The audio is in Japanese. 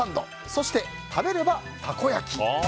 そして、食べればたこ焼き。